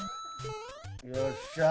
よっしゃー！